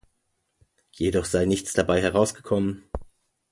Jedoch sei nichts dabei herausgekommen.